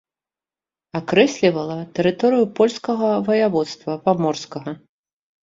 Акрэслівала тэрыторыю польскага ваяводства паморскага.